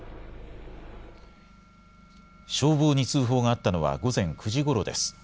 消防に通報があったのは午前９時ごろです。